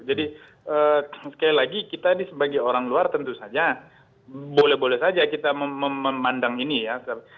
jadi sekali lagi kita ini sebagai orang luar tentu saja boleh boleh saja kita memandang ini ya